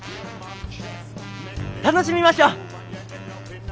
楽しみましょう！